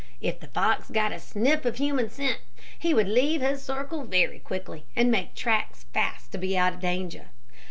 If the fox got a sniff of human scent, he would leave his circle very quickly, and make tracks fast to be out of danger.